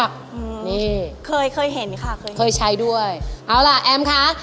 นี่เคยเห็นค่ะเคยใช้ด้วยเอาล่ะแอมค่ะ